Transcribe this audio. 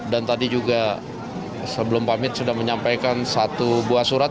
dan tadi juga sebelum pamit sudah menyampaikan satu buah surat